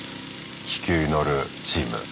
気球乗るチーム。